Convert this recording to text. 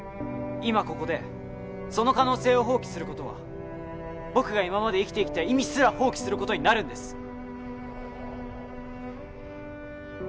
今ここでその可能性を放棄することは僕が今まで生きてきた意味すら放棄することになるんです